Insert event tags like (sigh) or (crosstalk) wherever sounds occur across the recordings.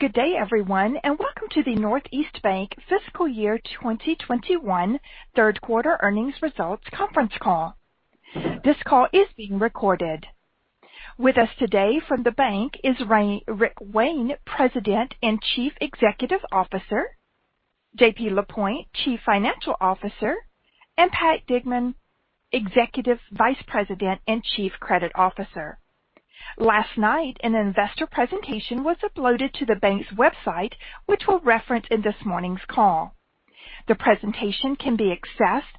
Good day, everyone, and welcome to the Northeast Bank Fiscal Year 2021 Third Quarter Earnings Results Conference Call. This call is being recorded. With us today from the bank is Rick Wayne, President and Chief Executive Officer, Jean-Pierre Lapointe, Chief Financial Officer, and Patrick Dignan, Executive Vice President and Chief Credit Officer. Last night, an investor presentation was uploaded to the bank's website, which we'll reference in this morning's call. The presentation can be accessed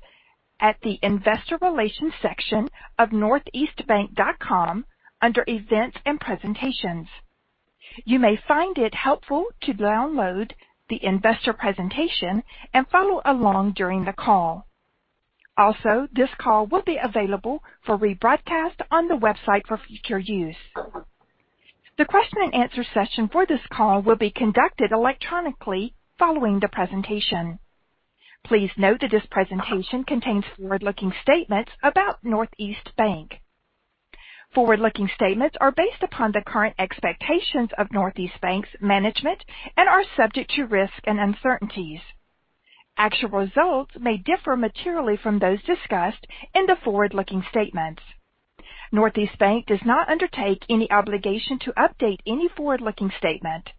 at the investor relations section of northeastbank.com under events and presentations. You may find it helpful to download the investor presentation and follow along during the call. This call will be available for rebroadcast on the website for future use. The question and answer session for this call will be conducted electronically following the presentation. Please note that this presentation contains forward-looking statements about Northeast Bank. Forward-looking statements are based upon the current expectations of Northeast Bank's management and are subject to risk and uncertainties. Actual results may differ materially from those discussed in the forward-looking statements. Northeast Bank does not undertake any obligation to update any forward-looking statement.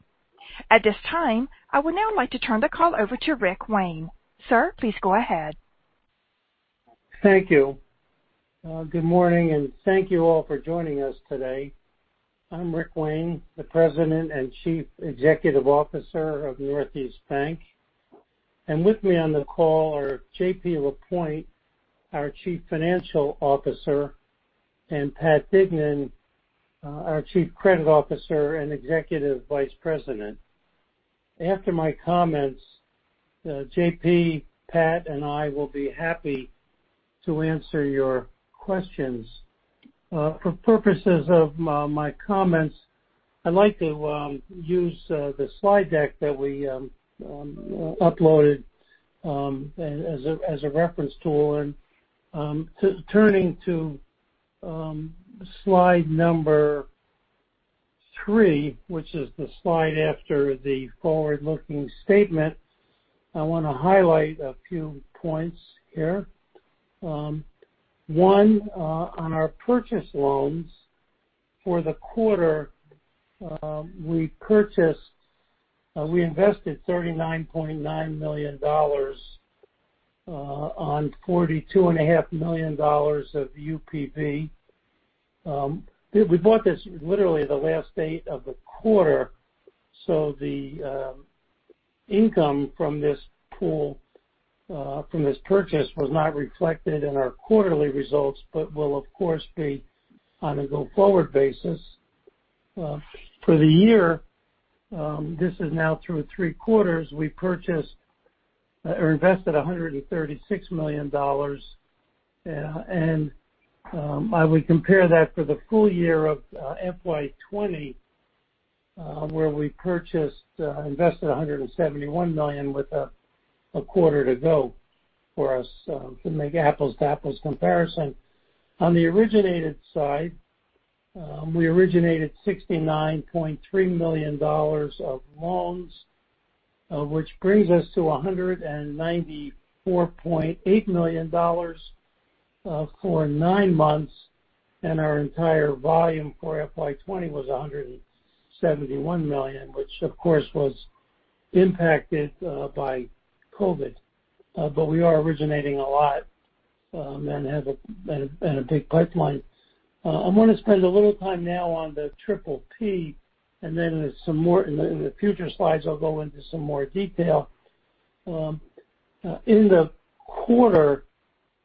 At this time, I would now like to turn the call over to Rick Wayne. Sir, please go ahead. Thank you. Good morning, and thank you all for joining us today. I'm Rick Wayne, the President and Chief Executive Officer of Northeast Bank. With me on the call are Jean-Pierre Lapointe, our Chief Financial Officer, and Patrick Dignan, our Chief Credit Officer and Executive Vice President. After my comments, Jean-Pierre, Patrick, and I will be happy to answer your questions. For purposes of my comments, I'd like to use the slide deck that we uploaded as a reference tool. Turning to slide number three, which is the slide after the forward-looking statement, I want to highlight a few points here. One, on our purchase loans for the quarter, we invested $39.9 million on $42.5 million of Unpaid Principal Balance. We bought this literally the last day of the quarter, so the income from this pool, from this purchase was not reflected in our quarterly results, but will, of course, be on a go-forward basis. For the year, this is now through three quarters, we purchased or invested $136 million, and I would compare that for the full year of FY 2020, where we invested $171 million with a quarter to go for us to make apples-to-apples comparison. On the originated side, we originated $69.3 million of loans, which brings us to $194.8 million for nine months, and our entire volume for FY 2020 was $171 million, which, of course, was impacted by COVID. We are originating a lot and have a big pipeline. I want to spend a little time now on the PPP, and then in the future slides, I'll go into some more detail. In the quarter,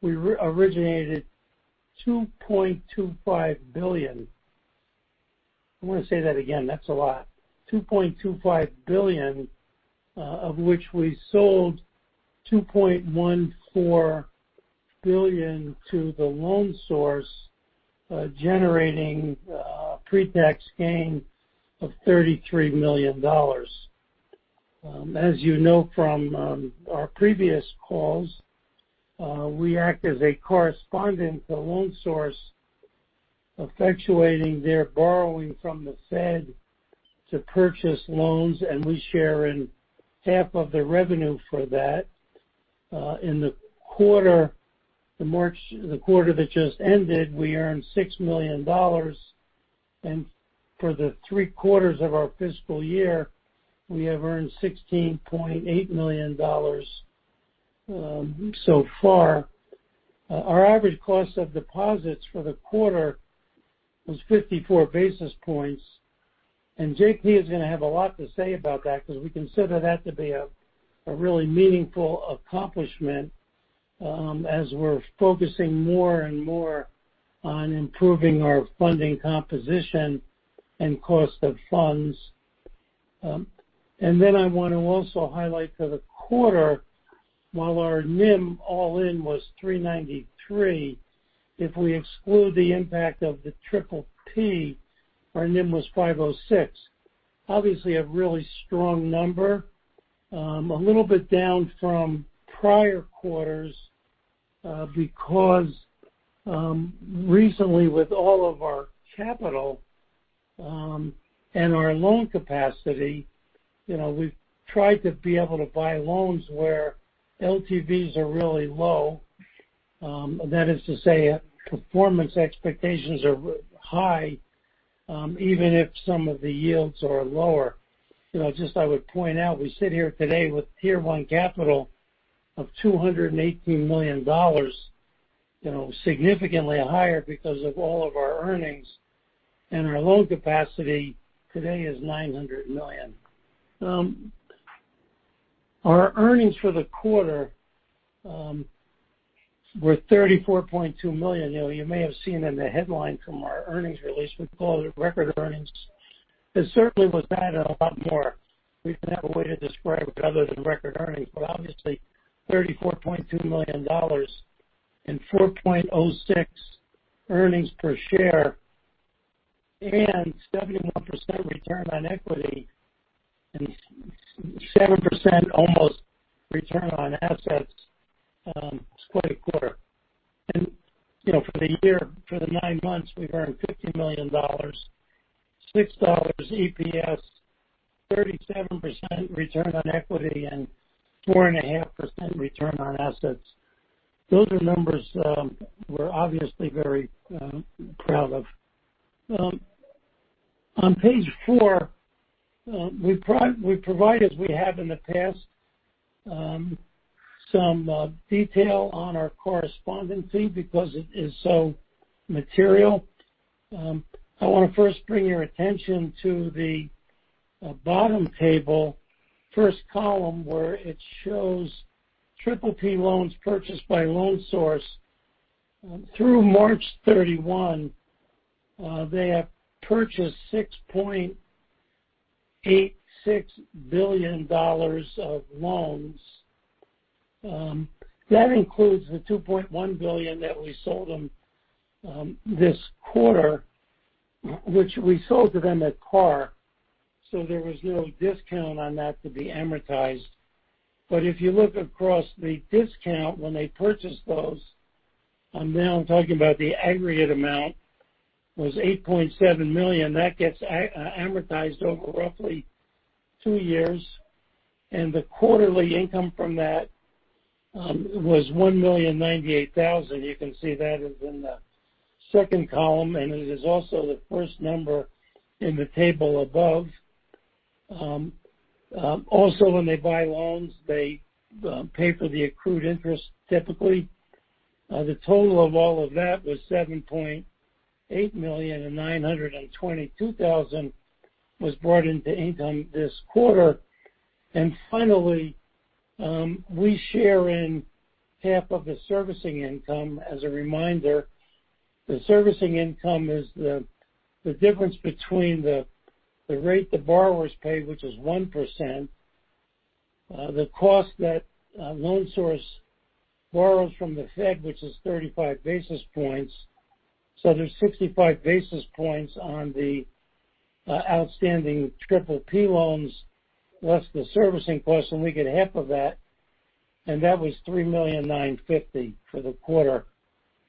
we originated $2.25 billion. I'm going to say that again, that's a lot. $2.25 billion, of which we sold $2.14 billion to The Loan Source, generating a pre-tax gain of $33 million. As you know from our previous calls, we act as a correspondent to The Loan Source, effectuating their borrowing from the Fed to purchase loans. We share in half of the revenue for that. In the quarter that just ended, we earned $6 million. For the three quarters of our fiscal year, we have earned $16.8 million so far. Our average cost of deposits for the quarter was 54 basis points, and Jean-Pierre is going to have a lot to say about that because we consider that to be a really meaningful accomplishment as we're focusing more and more on improving our funding composition and cost of funds. Then I want to also highlight for the quarter, while our net interest margin all-in was 393, if we exclude the impact of the PPP, our NIM was 506. Obviously, a really strong number. A little bit down from prior quarters. Because recently, with all of our capital and our loan capacity, we've tried to be able to buy loans where loan-to-value are really low. That is to say, performance expectations are high, even if some of the yields are lower. I would point out, we sit here today with Tier 1 capital of $218 million, significantly higher because of all of our earnings. Our loan capacity today is $900 million. Our earnings for the quarter were $34.2 million. You may have seen in the headline from our earnings release, we call it record earnings. It certainly was that and a lot more. We didn't have a way to describe it other than record earnings. Obviously, $34.2 million and 4.06 earnings per share and 71% return on equity and 7%, almost, return on assets is quite a quarter. For the nine months, we've earned $50 million, $6 EPS, 37% return on equity and 4.5% return on assets. Those are numbers we're obviously very proud of. On page four, we provide, as we have in the past, some detail on our correspondent fee because it is so material. I want to first bring your attention to the bottom table, first column, where it shows PPP loans purchased by The Loan Source. Through March 31, they have purchased $6.86 billion of loans. That includes the $2.1 billion that we sold them this quarter, which we sold to them at par, so there was no discount on that to be amortized. If you look across the discount when they purchased those, I'm now talking about the aggregate amount, was $8.7 million. That gets amortized over roughly two years, and the quarterly income from that was $1,098,000. You can see that is in the second column, and it is also the first number in the table above. Also, when they buy loans, they pay for the accrued interest, typically. The total of all of that was $7.8 million, and $922,000 was brought into income this quarter. Finally, we share in half of the servicing income. As a reminder, the servicing income is the difference between the rate the borrowers pay, which is 1%, the cost that The Loan Source borrows from the Fed, which is 35 basis points. There's 65 basis points on the outstanding PPP loans, less the servicing cost, and we get half of that, and that was $3,950,000 for the quarter.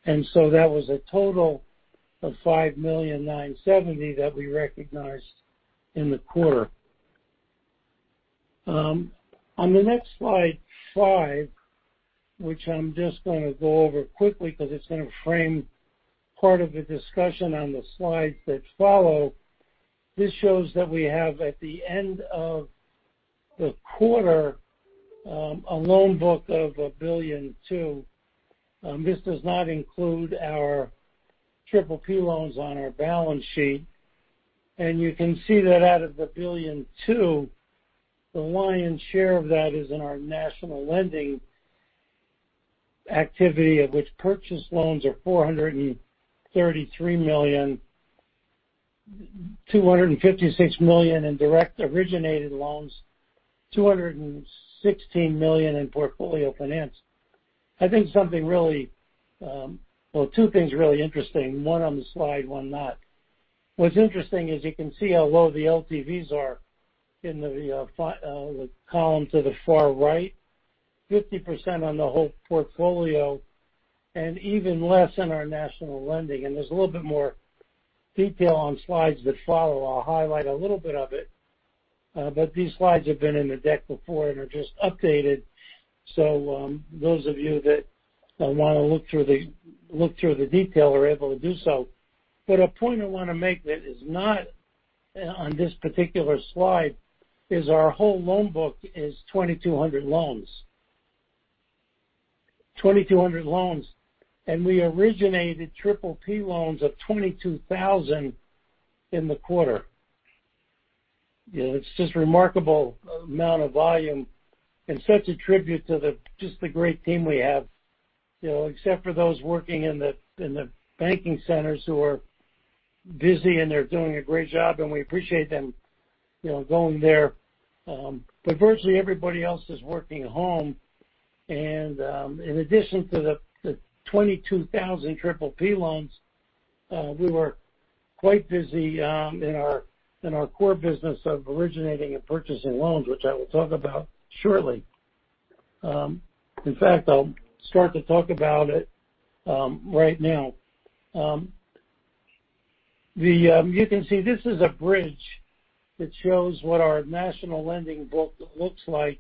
That was a total of $5,970,000 that we recognized in the quarter. On the next slide, five, which I'm just going to go over quickly because it's going to frame part of the discussion on the slides that follow. This shows that we have, at the end of the quarter, a loan book of $1.2 billion. This does not include our PPP loans on our balance sheet. You can see that out of the $1.2 billion, the lion's share of that is in our national lending activity, of which purchased loans are $433 million, $256 million in direct originated loans, $216 million in portfolio finance. I think two things are really interesting, one on the slide, one not. What's interesting is you can see how low the LTVs are in the column to the far right, 50% on the whole portfolio, and even less in our national lending. There's a little bit more detail on slides that follow. I'll highlight a little bit of it. These slides have been in the deck before and are just updated. Those of you that want to look through the detail are able to do so. A point I want to make that is not on this particular slide is our whole loan book is 2,200 loans. 2,200 loans, we originated PPP loans of 22,000 in the quarter. It's just remarkable amount of volume and such a tribute to just the great team we have. Except for those working in the banking centers who are busy, and they're doing a great job, and we appreciate them going there. Virtually everybody else is working home. In addition to the 22,000 PPP loans, we were quite busy in our core business of originating and purchasing loans, which I will talk about shortly. In fact, I'll start to talk about it right now. You can see this is a bridge that shows what our national lending book looks like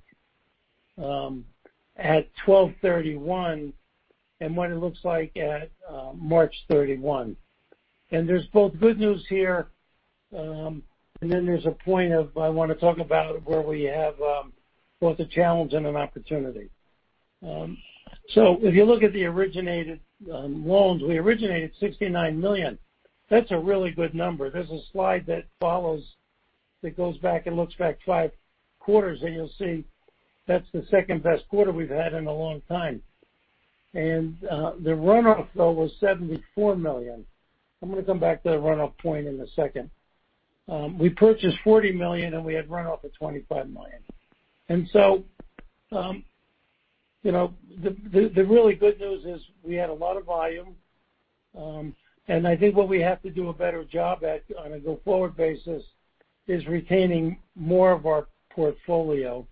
at 12/31, and what it looks like at March 31. There's both good news here, and then there's a point of I want to talk about where we have both a challenge and an opportunity. If you look at the originated loans, we originated $69 million. That's a really good number. There's a slide that follows, that goes back and looks back five quarters, and you'll see that's the second-best quarter we've had in a long time. The runoff, though, was $74 million. I'm going to come back to that runoff point in a second. We purchased $40 million, and we had runoff of $25 million. The really good news is we had a lot of volume. I think what we have to do a better job at on a go-forward basis is retaining more of our portfolio.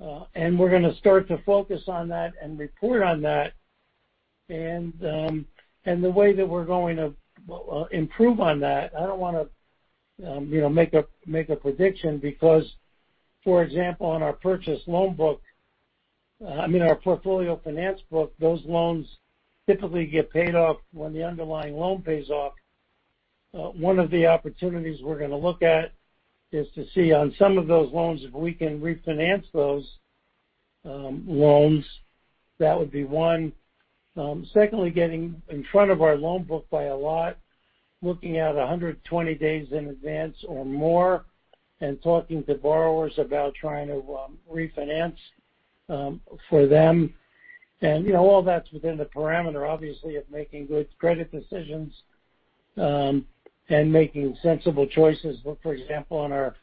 We're going to start to focus on that and report on that. The way that we're going to improve on that, I don't want to make a prediction because, for example, on our purchase loan book, I mean, our portfolio finance book, those loans typically get paid off when the underlying loan pays off. One of the opportunities we're going to look at is to see on some of those loans if we can refinance those loans. That would be one. Secondly, getting in front of our loan book by a lot, looking out 120 days in advance or more, and talking to borrowers about trying to refinance for them. All that's within the parameter, obviously, of making good credit decisions and making sensible choices. Look, for example, on our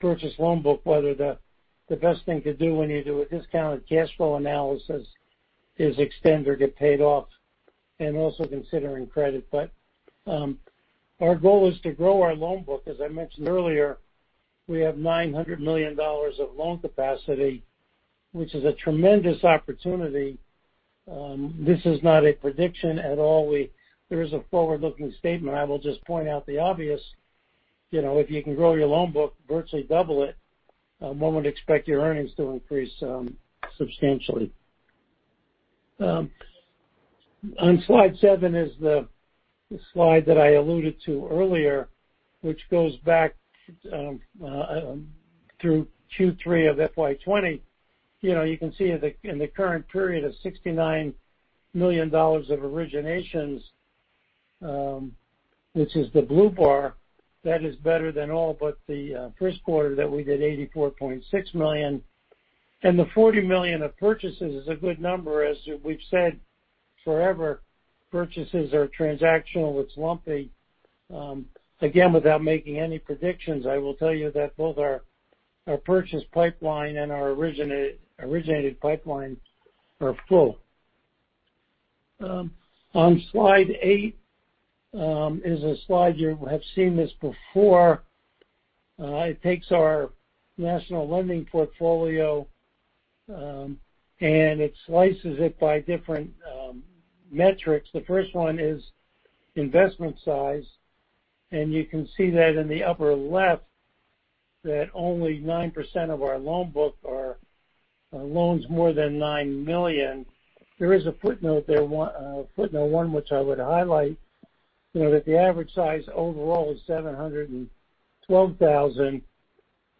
purchase loan book, whether the best thing to do when you do a discounted cash flow analysis is extend or get paid off, and also considering credit. Our goal is to grow our loan book. As I mentioned earlier, we have $900 million of loan capacity, which is a tremendous opportunity. This is not a prediction at all. There is a forward-looking statement. I will just point out the obvious. If you can grow your loan book, virtually double it, one would expect your earnings to increase substantially. On slide seven is the slide that I alluded to earlier, which goes back through Q3 of FY 2020. You can see in the current period of $69 million of originations, this is the blue bar. That is better than all but the first quarter that we did, $84.6 million. The $40 million of purchases is a good number. As we've said forever, purchases are transactional. It's lumpy. Again, without making any predictions, I will tell you that both our purchase pipeline and our originated pipeline are full. On slide eight is a slide you have seen this before. It takes our national lending portfolio, and it slices it by different metrics. The first one is investment size, and you can see that in the upper left that only 9% of our loan book are loans more than $9 million. There is a footnote there, footnote one, which I would highlight, that the average size overall is $712,000.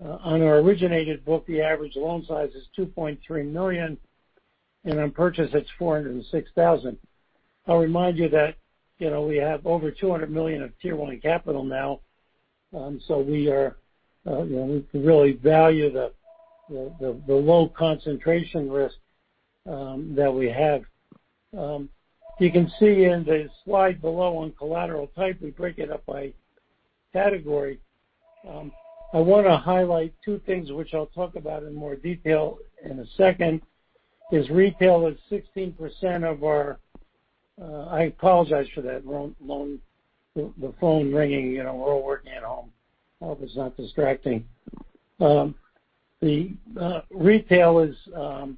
On our originated book, the average loan size is $2.3 million, and on purchase it's $406,000. I'll remind you that we have over $200 million of Tier 1 capital now, so we can really value the low concentration risk that we have. You can see in the slide below on collateral type, we break it up by category. I want to highlight two things, which I'll talk about in more detail in a second, is retail is 16% of our I apologize for that, the phone ringing. We're all working at home. I hope it's not distracting. The retail is 16%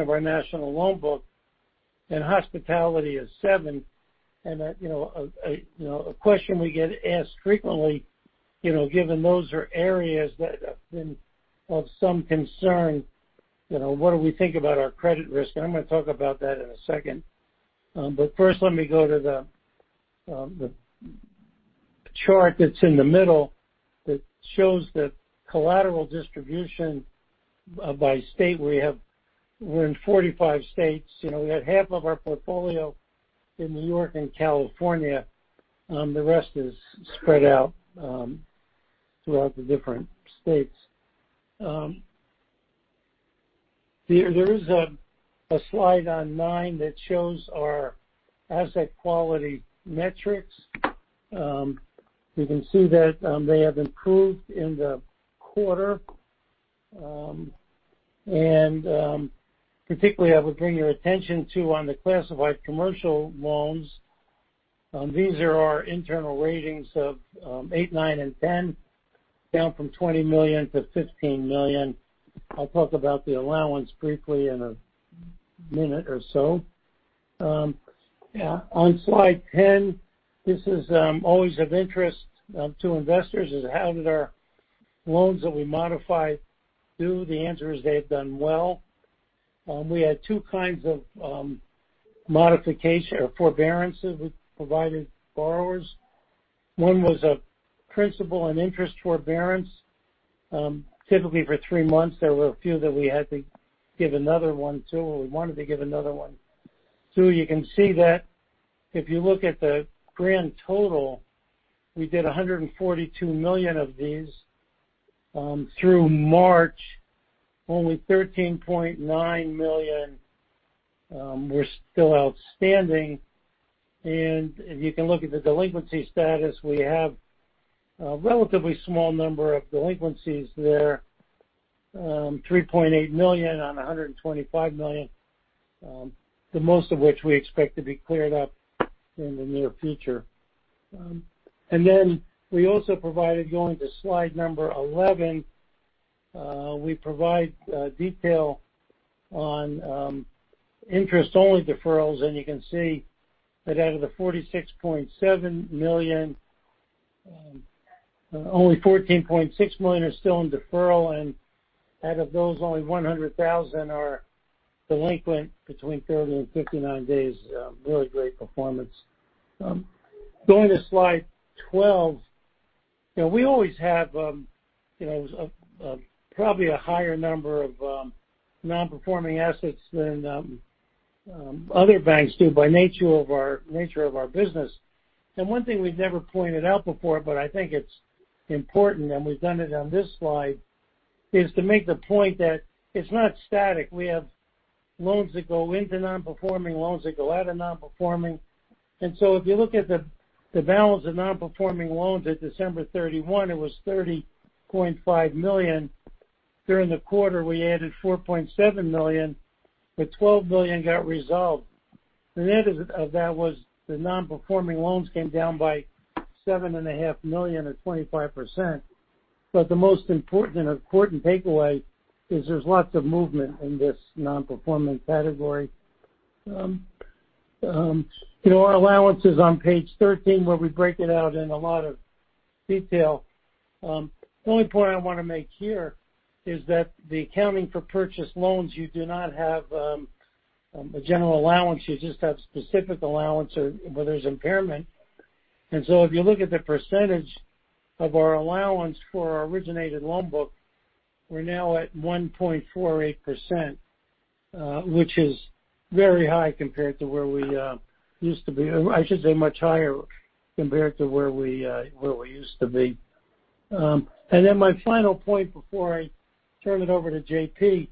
of our national loan book, and hospitality is seven. A question we get asked frequently, given those are areas that have been of some concern, what do we think about our credit risk? I'm going to talk about that in a second. First, let me go to the chart that's in the middle that shows the collateral distribution by state. We're in 45 states. We got half of our portfolio in N.Y. and California. The rest is spread out throughout the different states. There is a slide on nine that shows our asset quality metrics. You can see that they have improved in the quarter. Particularly, I would bring your attention to on the classified commercial loans. These are our internal ratings of 8, 9, and 10, down from $20 million to $15 million. I'll talk about the allowance briefly in a minute or so. On slide 10, this is always of interest to investors, is how did our loans that we modified do? The answer is they've done well. We had two kinds of modification or forbearances we provided borrowers. One was a principal and interest forbearance, typically for three months. There were a few that we had to give another one to, or we wanted to give another one. You can see that if you look at the grand total, we did $142 million of these. Through March, only $13.9 million were still outstanding. If you can look at the delinquency status, we have a relatively small number of delinquencies there, $3.8 million on $125 million. The most of which we expect to be cleared up in the near future. We also provided, going to slide number 11, we provide detail on interest-only deferrals, you can see that out of the $46.7 million, only $14.6 million is still in deferral. Out of those, only $100,000 are delinquent between 30 and 59 days. Really great performance. Going to slide 12. We always have probably a higher number of non-performing assets than other banks do by nature of our business. One thing we've never pointed out before, but I think it's important, and we've done it on this slide, is to make the point that it's not static. We have loans that go into non-performing, loans that go out of non-performing. If you look at the balance of non-performing loans at December 31, it was $30.5 million. During the quarter, we added $4.7 million, but $12 million got resolved. The net of that was the non-performing loans came down by $7.5 million, or 25%. The most important takeaway is there's lots of movement in this non-performance category. Our allowance is on page 13, where we break it out in a lot of detail. The only point I want to make here is that the accounting for purchase loans, you do not have a general allowance. You just have specific allowance where there's impairment. If you look at the percentage of our allowance for our originated loan book, we're now at 1.48%, which is very high compared to where we used to be. I should say much higher compared to where we used to be. My final point before I turn it over to Jean-Pierre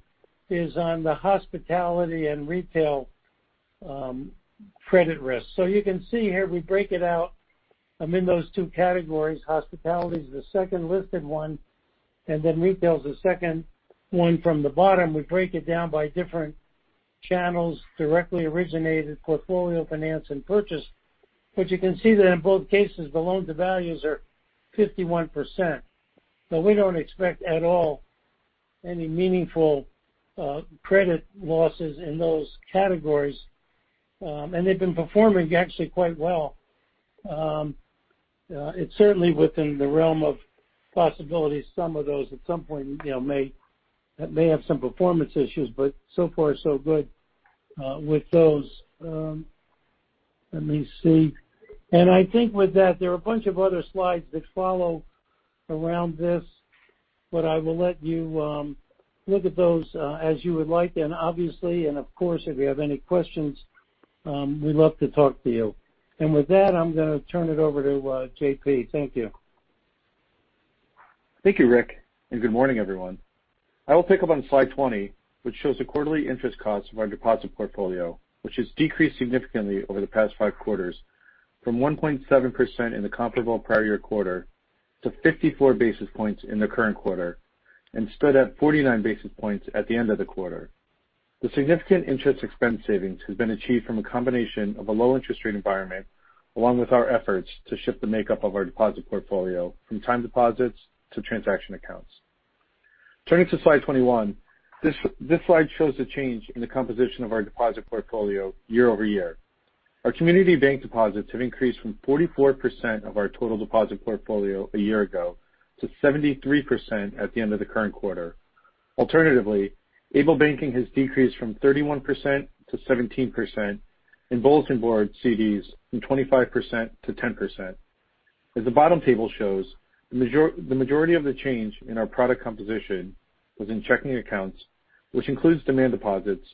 is on the hospitality and retail credit risk. You can see here we break it out in those two categories. Hospitality is the second listed one, and then retail is the second one from the bottom. We break it down by different channels, directly originated, portfolio finance, and purchase. You can see that in both cases, the loan to values are 51%. We don't expect at all any meaningful credit losses in those categories. They've been performing actually quite well. It's certainly within the realm of possibility some of those at some point may have some performance issues, but so far so good with those. Let me see. I think with that, there are a bunch of other slides that follow around this. I will let you look at those as you would like. Obviously, of course, if you have any questions, we'd love to talk to you. With that, I'm going to turn it over to Jean-Pierre Lapointe. Thank you. Thank you, Rick, and good morning, everyone. I will pick up on slide 20, which shows the quarterly interest cost of our deposit portfolio, which has decreased significantly over the past five quarters, from 1.7% in the comparable prior year quarter to 54 basis points in the current quarter, and stood at 49 basis points at the end of the quarter. The significant interest expense savings has been achieved from a combination of a low interest rate environment, along with our efforts to shift the makeup of our deposit portfolio from time deposits to transaction accounts. Turning to slide 21. This slide shows the change in the composition of our deposit portfolio year-over-year. Our community bank deposits have increased from 44% of our total deposit portfolio a year ago to 73% at the end of the current quarter. Alternatively, ableBanking has decreased from 31% to 17%, and bulletin board CDs from 25% to 10%. As the bottom table shows, the majority of the change in our product composition was in checking accounts, which includes demand deposits,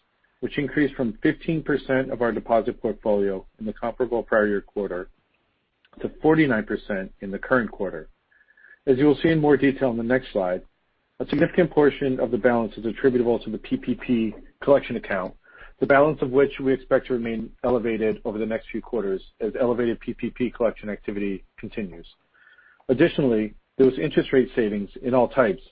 which increased from 15% of our deposit portfolio in the comparable prior year quarter to 49% in the current quarter. As you will see in more detail in the next slide, a significant portion of the balance is attributable to the PPP collection account, the balance of which we expect to remain elevated over the next few quarters as elevated PPP collection activity continues. Additionally, there was interest rate savings in all types,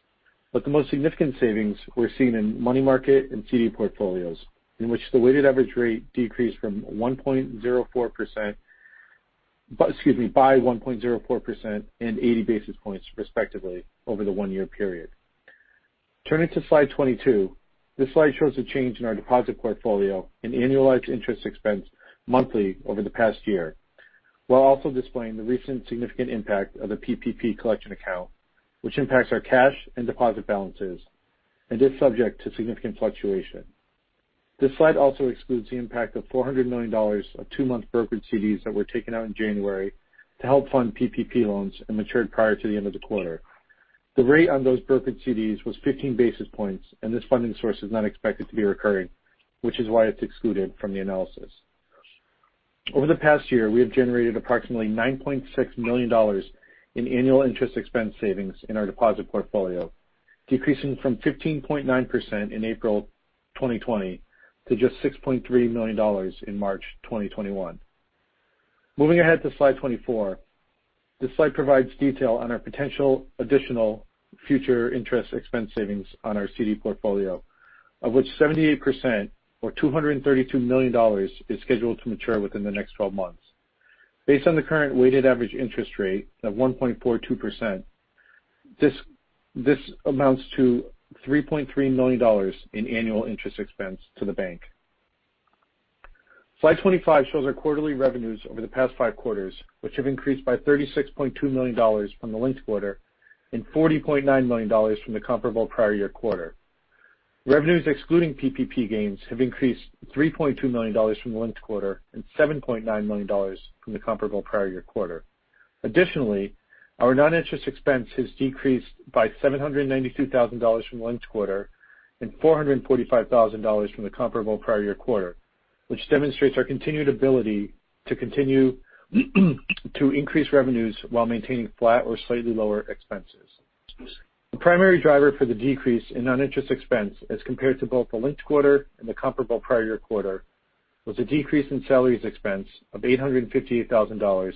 but the most significant savings were seen in money market and Certificate of Deposit portfolios, in which the weighted average rate decreased by 1.04% and 80 basis points, respectively, over the one-year period. Turning to slide 22. This slide shows a change in our deposit portfolio in annualized interest expense monthly over the past year, while also displaying the recent significant impact of the PPP collection account, which impacts our cash and deposit balances and is subject to significant fluctuation. This slide also excludes the impact of $400 million of two-month brokered CDs that were taken out in January to help fund PPP loans and matured prior to the end of the quarter. The rate on those brokered CDs was 15 basis points, and this funding source is not expected to be recurring, which is why it's excluded from the analysis. Over the past year, we have generated approximately $9.6 million in annual interest expense savings in our deposit portfolio, decreasing from $15.9% in April 2020 to just $6.3 million in March 2021. Moving ahead to slide 24. This slide provides detail on our potential additional future interest expense savings on our CD portfolio, of which 78%, or $232 million, is scheduled to mature within the next 12 months. Based on the current weighted average interest rate of 1.42%, this amounts to $3.3 million in annual interest expense to the bank. Slide 25 shows our quarterly revenues over the past five quarters, which have increased by $36.2 million from the linked quarter and $40.9 million from the comparable prior year quarter. Revenues excluding PPP gains have increased $3.2 million from the linked quarter and $7.9 million from the comparable prior year quarter. Our non-interest expense has decreased by $792,000 from the linked quarter and $445,000 from the comparable prior year quarter, which demonstrates our continued ability to continue to increase revenues while maintaining flat or slightly lower expenses. The primary driver for the decrease in non-interest expense as compared to both the linked quarter and the comparable prior year quarter, was a decrease in salaries expense of $858,000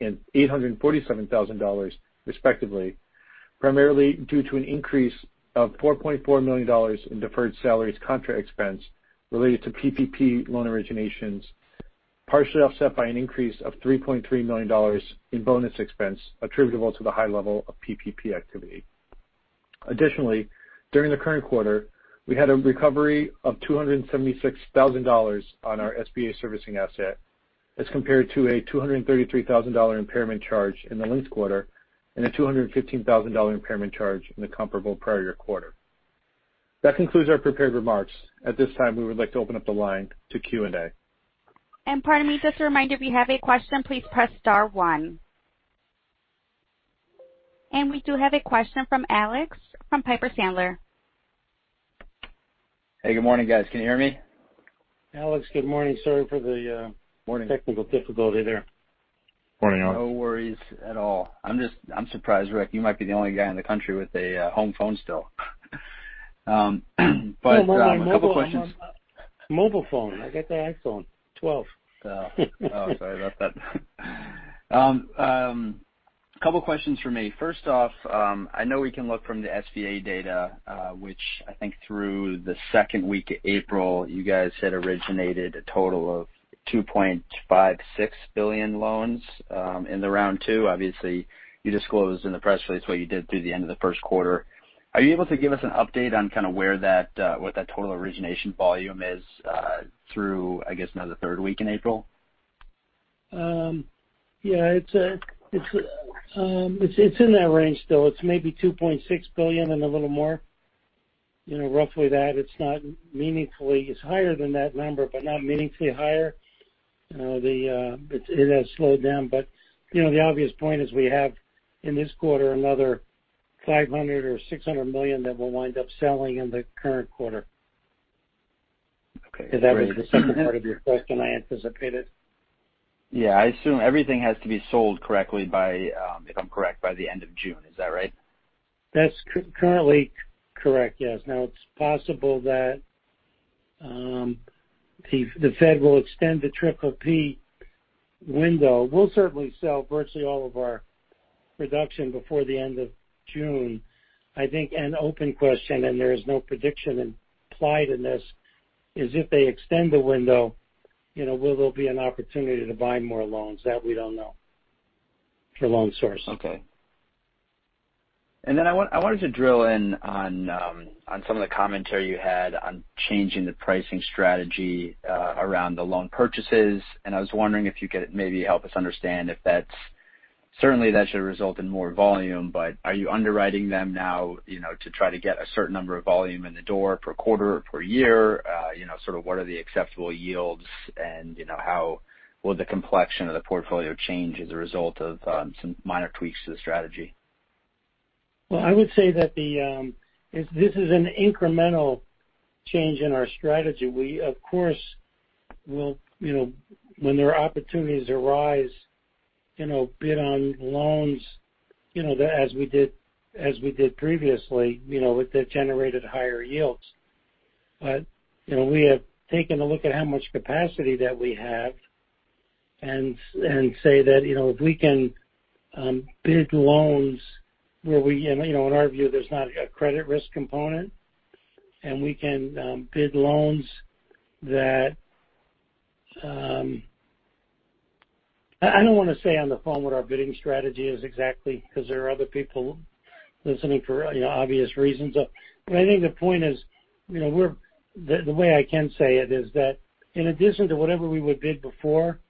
and $847,000 respectively, primarily due to an increase of $4.4 million in deferred salaries contra-expense related to PPP loan originations, partially offset by an increase of $3.3 million in bonus expense attributable to the high level of PPP activity. Additionally, during the current quarter, we had a recovery of $276,000 on our Small Business Administration servicing asset as compared to a $233,000 impairment charge in the linked quarter and a $215,000 impairment charge in the comparable prior year quarter. That concludes our prepared remarks. At this time, we would like to open up the line to Q&A. Pardon me, just a reminder, if you have a question, please press star one. We do have a question from Alex Twerdahl from Piper Sandler. Hey, good morning, guys. Can you hear me? Alex, good morning. Morning. Technical difficulty there. Morning, Alex. No worries at all. I'm surprised, Rick, you might be the only guy in the country with a home phone still. A couple questions. No, I'm on my mobile phone. I got the iPhone 12. Oh, sorry about that. Couple questions from me. First off, I know we can look from the SBA data, which I think through the second week of April, you guys had originated a total of $2.56 billion loans in the round two. Obviously, you disclosed in the press release what you did through the end of the first quarter. Are you able to give us an update on what that total origination volume is through, I guess, now the third week in April? Yeah, it's in that range still. It's maybe $2.6 billion and a little more. Roughly that. It's higher than that number, but not meaningfully higher. It has slowed down. The obvious point is we have, in this quarter, another $500 million or $600 million that we'll wind up selling in the current quarter. Okay, great. If that was the second part of your question, I anticipated. Yeah, I assume everything has to be sold, if I'm correct, by the end of June. Is that right? That's currently correct, yes. It's possible that the Fed will extend the PPP window. We'll certainly sell virtually all of our production before the end of June. I think an open question, and there is no prediction implied in this, is if they extend the window, will there be an opportunity to buy more loans? That we don't know, for The Loan Source. Okay. I wanted to drill in on some of the commentary you had on changing the pricing strategy around the loan purchases, I was wondering if you could maybe help us understand if that certainly should result in more volume, are you underwriting them now to try to get a certain number of volume in the door per quarter or per year? Sort of what are the acceptable yields, how will the complexion of the portfolio change as a result of some minor tweaks to the strategy? Well, I would say that this is an incremental change in our strategy. We Well, when there are opportunities arise, bid on loans, as we did previously, that generated higher yields. We have taken a look at how much capacity that we have and say that, if we can bid loans where, in our view, there's not a credit risk component, and we can bid loans that I don't want to say on the phone what our bidding strategy is exactly, because there are other people listening for obvious reasons. I think the point is, the way I can say it is that in addition to whatever we would bid before,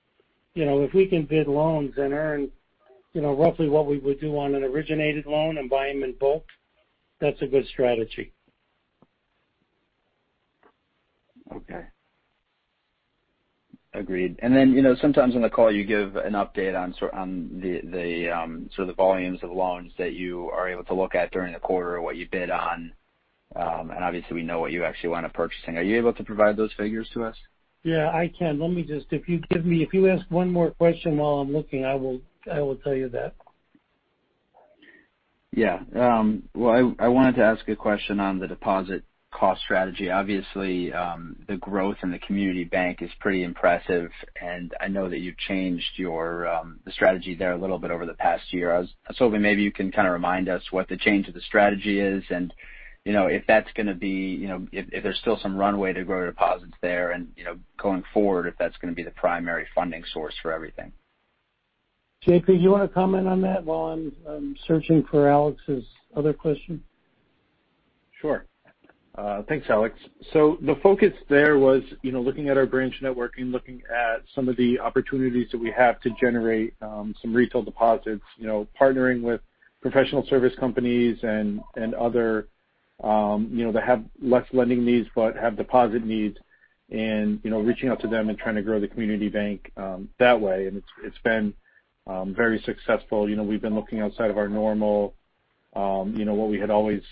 if we can bid loans and earn roughly what we would do on an originated loan and buy them in bulk, that's a good strategy. Okay. Agreed. Sometimes on the call, you give an update on sort of the volumes of loans that you are able to look at during the quarter or what you bid on. Obviously, we know what you actually wind up purchasing. Are you able to provide those figures to us? Yeah, I can. If you ask one more question while I'm looking, I will tell you that. Yeah. Well, I wanted to ask a question on the deposit cost strategy. Obviously, the growth in the community bank is pretty impressive, and I know that you've changed the strategy there a little bit over the past year. I was hoping maybe you can kind of remind us what the change of the strategy is and, if that's going to be if there's still some runway to grow deposits there and, going forward, if that's going to be the primary funding source for everything. Jean-Pierre, you want to comment on that while I'm searching for Alex's other question? Sure. Thanks, Alex. The focus there was looking at our branch networking, looking at some of the opportunities that we have to generate some retail deposits, partnering with professional service companies and other, that have less lending needs but have deposit needs and reaching out to them and trying to grow the community bank that way. It's been very successful. We've been looking outside of our normal, what we had always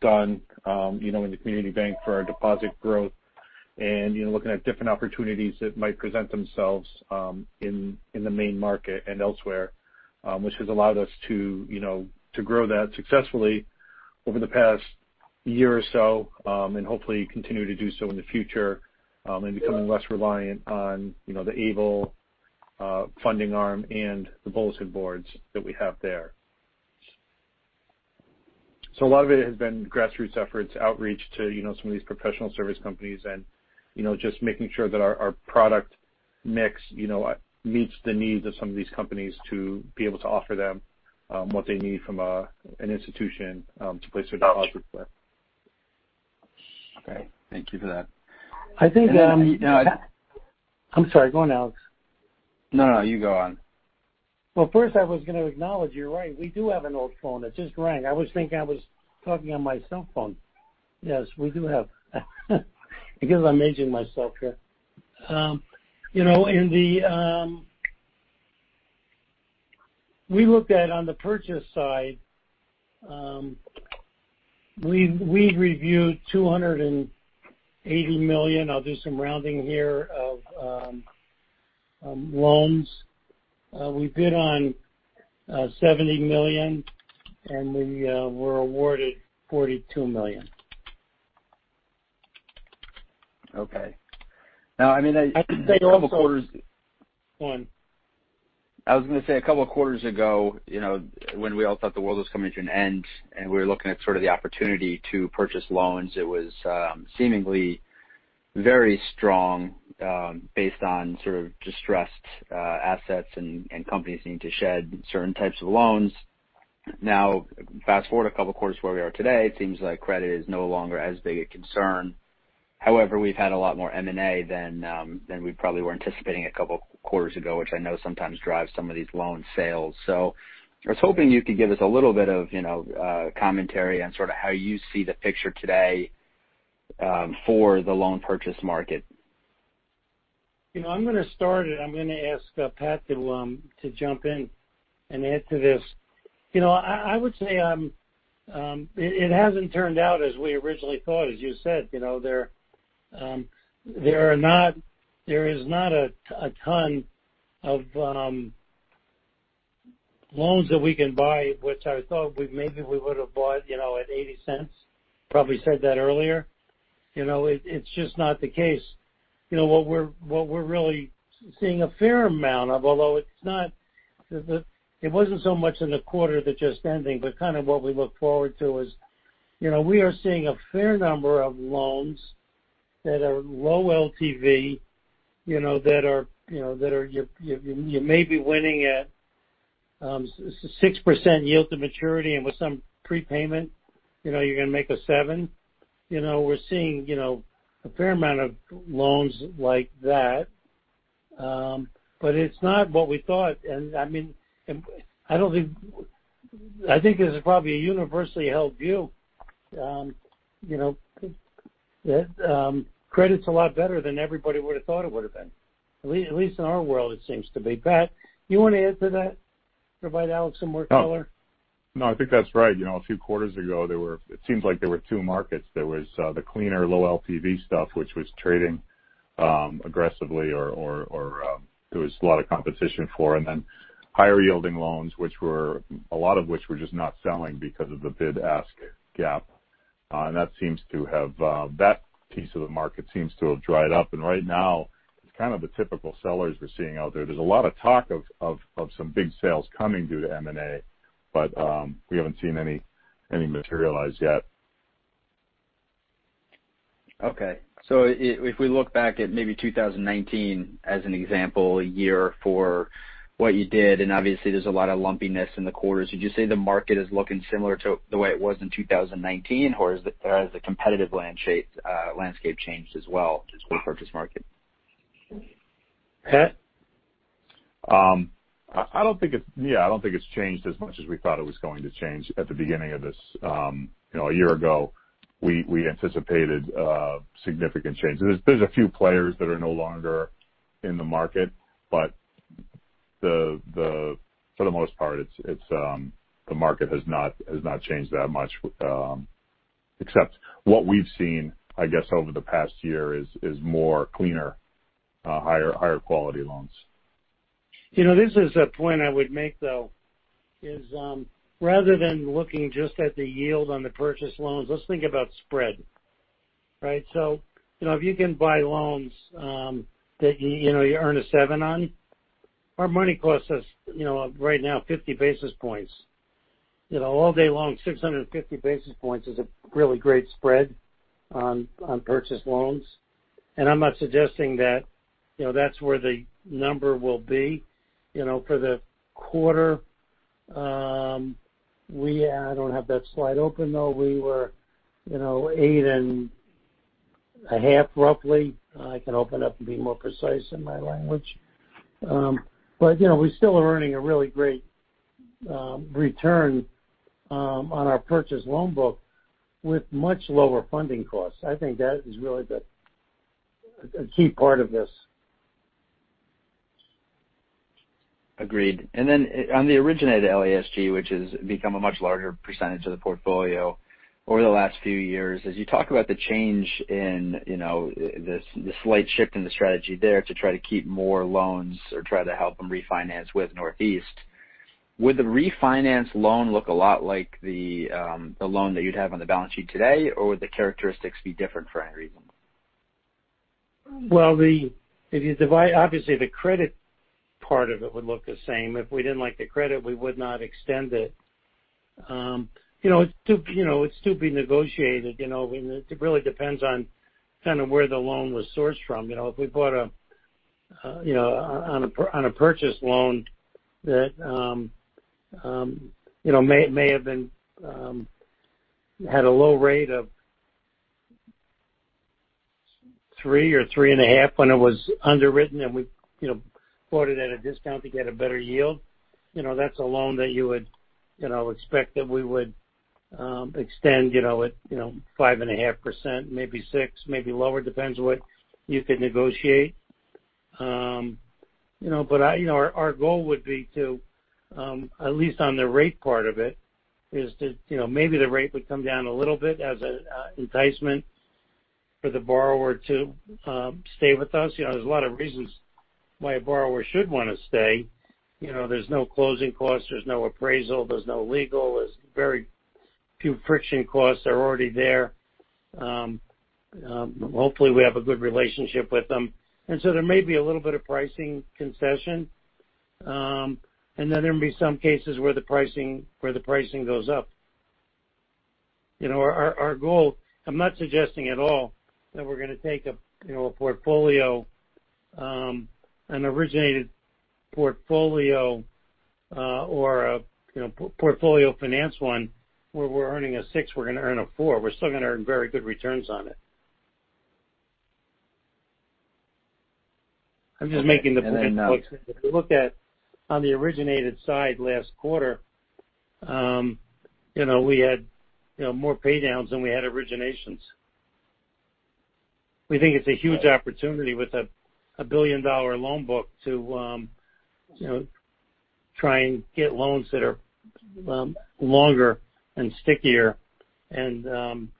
done in the community bank for our deposit growth and looking at different opportunities that might present themselves in the Maine market and elsewhere, which has allowed us to grow that successfully over the past year or so. Hopefully continue to do so in the future, and becoming less reliant on the ableBanking funding arm and the bulletin boards that we have there. A lot of it has been grassroots efforts, outreach to some of these professional service companies, and just making sure that our product mix meets the needs of some of these companies to be able to offer them what they need from an institution to place their deposits with. Okay. Thank you for that. I think. (crosstalk) I'm sorry. Go on, Alex. No, no, you go on. Well, first I was going to acknowledge, you're right, we do have an old phone. It just rang. I was thinking I was talking on my cell phone. Yes, we do have. Because I'm aging myself here. We looked at, on the purchase side, we reviewed $280 million, I'll do some rounding here, of loans. We bid on $70 million, we were awarded $42 million. Okay. Now, I mean, (crosstalk) a couple of quarters. (crosstalk) Go on. I was going to say, a couple of quarters ago, when we all thought the world was coming to an end and we were looking at sort of the opportunity to purchase loans, it was seemingly very strong, based on sort of distressed assets and companies needing to shed certain types of loans. Fast-forward a couple quarters where we are today, it seems like credit is no longer as big a concern. We've had a lot more M&A than we probably were anticipating a couple quarters ago, which I know sometimes drives some of these loan sales. I was hoping you could give us a little bit of commentary on sort of how you see the picture today for the loan purchase market. I'm going to start, and I'm going to ask Patrick to jump in and add to this. I would say it hasn't turned out as we originally thought. As you said, there is not a ton of loans that we can buy, which I thought maybe we would've bought at $0.80. Probably said that earlier. It's just not the case. What we're really seeing a fair amount of, although it wasn't so much in the quarter that just ending, but kind of what we look forward to is, we are seeing a fair number of loans that are low Loan-to-Value, that you may be winning at 6% yield to maturity, and with some prepayment, you're going to make a 7%. We're seeing a fair amount of loans like that. It's not what we thought, and I think this is probably a universally held view. That credit's a lot better than everybody would've thought it would've been. At least in our world, it seems to be. Patrick, you want to add to that? Provide Alex some more color? No, I think that's right. A few quarters ago, it seems like there were two markets. There was the cleaner low LTV stuff, which was trading aggressively or there was a lot of competition for. Higher-yielding loans, a lot of which were just not selling because of the bid-ask gap. That piece of the market seems to have dried up, and right now it's kind of the typical sellers we're seeing out there. There's a lot of talk of some big sales coming due to M&A, but we haven't seen any materialize yet. Okay. If we look back at maybe 2019 as an example, a year for what you did, Obviously there's a lot of lumpiness in the quarters. Would you say the market is looking similar to the way it was in 2019, or has the competitive landscape changed as well, this repurchase market? Patrick? I don't think it's changed as much as we thought it was going to change at the beginning of this. A year ago, we anticipated significant changes. There's a few players that are no longer in the market, but for the most part, the market has not changed that much. Except what we've seen, I guess, over the past year is more cleaner, higher-quality loans. This is a point I would make, though, is rather than looking just at the yield on the purchase loans, let's think about spread. Right? If you can buy loans that you earn a seven on, our money costs us right now 50 basis points. All day long, 650 basis points is a really great spread on purchase loans. I'm not suggesting that that's where the number will be. For the quarter, I don't have that slide open, though, we were 8.5 roughly. I can open up and be more precise in my language. We still are earning a really great return on our purchase loan book with much lower funding costs. I think that is really the key part of this. Agreed. On the originated Loan Acquisition and Servicing Group, which has become a much larger percentage of the portfolio over the last few years. As you talk about the change in the slight shift in the strategy there to try to keep more loans or try to help them refinance with Northeast Bank. Would the refinance loan look a lot like the loan that you'd have on the balance sheet today, or would the characteristics be different for any reason? Well, obviously the credit part of it would look the same. If we didn't like the credit, we would not extend it. It's to be negotiated, it really depends on kind of where the loan was sourced from. If we bought on a purchase loan that may have had a low rate of three or 3.5 when it was underwritten, and we bought it at a discount to get a better yield. That's a loan that you would expect that we would extend at 5.5%, maybe 6%, maybe lower, depends what you can negotiate. Our goal would be to, at least on the rate part of it, is that maybe the rate would come down a little bit as an enticement for the borrower to stay with us. There's a lot of reasons why a borrower should want to stay. There's no closing cost, there's no appraisal, there's no legal. There's very few friction costs are already there. Hopefully, we have a good relationship with them. There may be a little bit of pricing concession. There may be some cases where the pricing goes up. I'm not suggesting at all that we're going to take an originated portfolio or a portfolio finance one where we're earning a 6%, we're going to earn a 4%. We're still going to earn very good returns on it. I'm just making the point that if you look at on the originated side last quarter, we had more paydowns than we had originations. We think it's a huge opportunity with a billion-dollar loan book to try and get loans that are longer and stickier and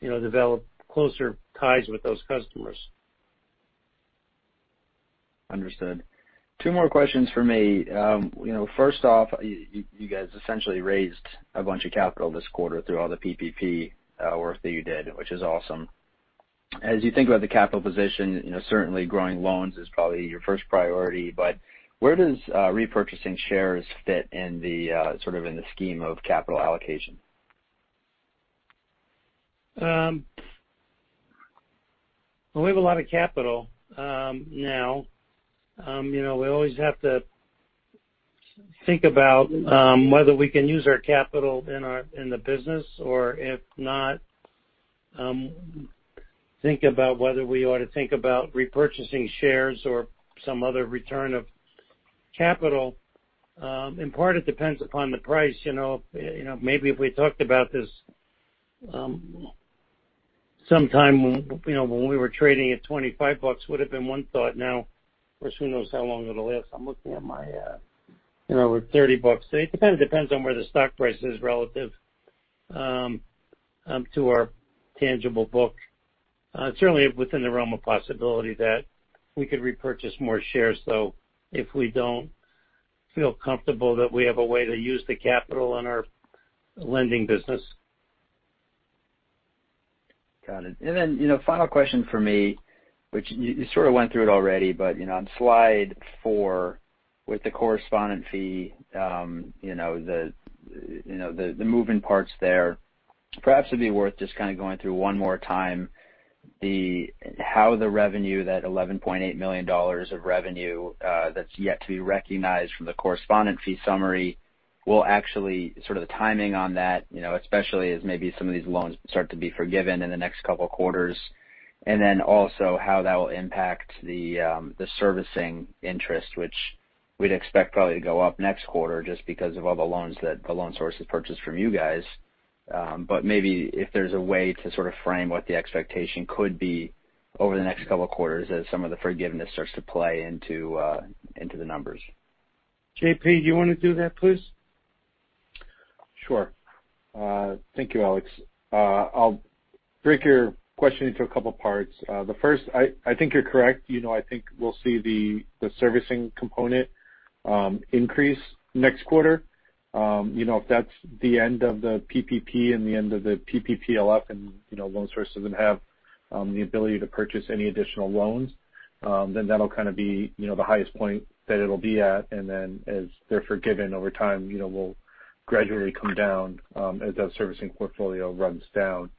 develop closer ties with those customers. Understood. Two more questions from me. First off, you guys essentially raised a bunch of capital this quarter through all the PPP work that you did, which is awesome. As you think about the capital position, certainly growing loans is probably your first priority, but where does repurchasing shares fit in the scheme of capital allocation? Well, we have a lot of capital now. We always have to think about whether we can use our capital in the business, or if not, think about whether we ought to think about repurchasing shares or some other return of capital. In part, it depends upon the price. Maybe if we talked about this sometime when we were trading at $25 would've been one thought. Of course, who knows how long it'll last? We're at $30. It kind of depends on where the stock price is relative to our tangible book. Certainly within the realm of possibility that we could repurchase more shares, though, if we don't feel comfortable that we have a way to use the capital in our lending business. Got it. Final question from me, which you sort of went through it already, but on slide four with the correspondent fee, the moving parts there. Perhaps it'd be worth just kind of going through one more time how the revenue, that $11.8 million of revenue that's yet to be recognized from the correspondent fee summary will actually, sort of the timing on that, especially as maybe some of these loans start to be forgiven in the next couple of quarters. Also how that will impact the servicing interest, which we'd expect probably to go up next quarter just because of all the loans that The Loan Source has purchased from you guys. Maybe if there's a way to sort of frame what the expectation could be over the next couple of quarters as some of the forgiveness starts to play into the numbers. Jean-Pierre, do you want to do that, please? Sure. Thank you, Alex. I'll break your question into a couple of parts. The first, I think you're correct. I think we'll see the servicing component increase next quarter. If that's the end of the PPP and the end of the PPPLF and The Loan Source doesn't have the ability to purchase any additional loans, then that'll kind of be the highest point that it'll be at, and then as they're forgiven over time, will gradually come down as that servicing portfolio runs down.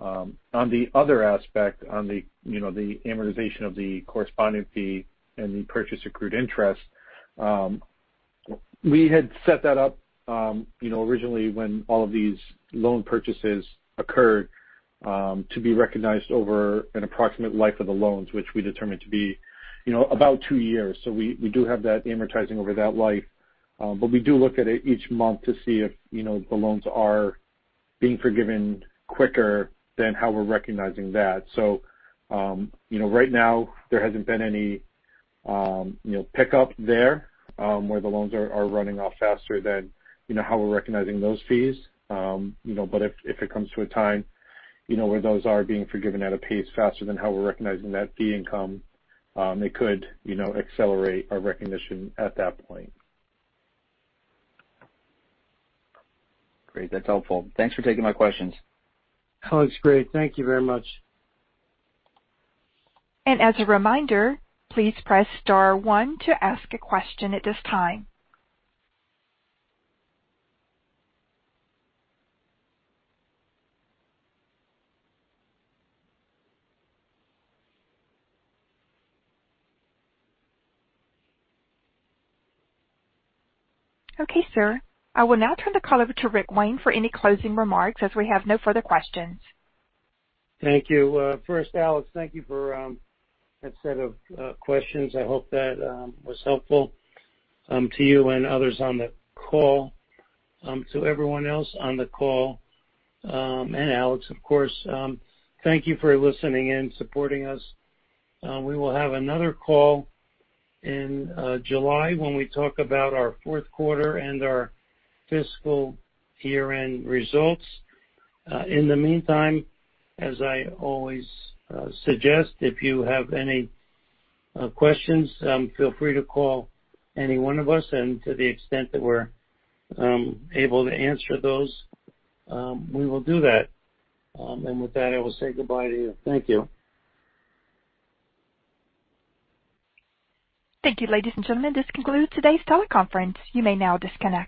On the other aspect, on the amortization of the correspondent fee and the purchase accrued interest. We had set that up originally when all of these loan purchases occurred, to be recognized over an approximate life of the loans, which we determined to be about two years. We do have that amortizing over that life. We do look at it each month to see if the loans are being forgiven quicker than how we're recognizing that. Right now there hasn't been any pickup there, where the loans are running off faster than how we're recognizing those fees. If it comes to a time where those are being forgiven at a pace faster than how we're recognizing that fee income, they could accelerate our recognition at that point. Great. That's helpful. Thanks for taking my questions. Alex Twerdahl, great. Thank you very much. As a reminder, please press star one to ask a question at this time. Okay, sir. I will now turn the call over to Rick Wayne for any closing remarks as we have no further questions. Thank you. First, Alex, thank you for that set of questions. I hope that was helpful to you and others on the call. To everyone else on the call, and Alex, of course, thank you for listening and supporting us. We will have another call in July when we talk about our fourth quarter and our fiscal year-end results. In the meantime, as I always suggest, if you have any questions, feel free to call any one of us, and to the extent that we're able to answer those, we will do that. With that, I will say goodbye to you. Thank you. Thank you, ladies and gentlemen. This concludes today's teleconference. You may now disconnect.